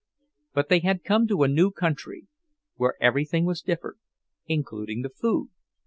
But they had come to a new country, where everything was different, including the food.